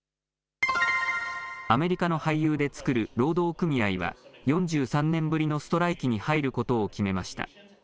アメリカの俳優で作る労働組合は４３年ぶりのストライキに入ることを決めました。